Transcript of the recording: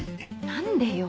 何でよ。